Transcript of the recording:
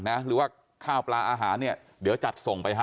หรือว่าข้าวปลาอาหารเนี่ยเดี๋ยวจัดส่งไปให้